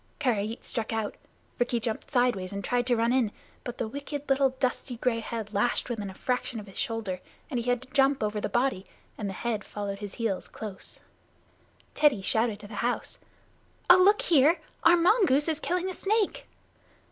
Karait struck out. Rikki jumped sideways and tried to run in, but the wicked little dusty gray head lashed within a fraction of his shoulder, and he had to jump over the body, and the head followed his heels close. Teddy shouted to the house: "Oh, look here! Our mongoose is killing a snake."